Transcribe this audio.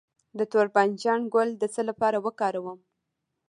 د تور بانجان ګل د څه لپاره وکاروم؟